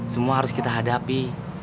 semua harus kita hadapi